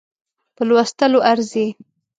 په لوستلو ارزي.